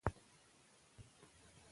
هغه وویل چې لومړی ټکان دردناک وي.